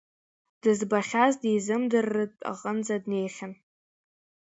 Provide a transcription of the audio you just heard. Дызбахьаз дизымдырыртә аҟынӡа днеихьан.